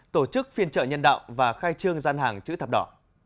tổ chức phiên trợ nhân đạo và khai trương gian hàng chữ thập đỏ